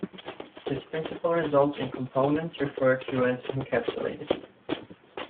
This principle results in components referred to as "encapsulated".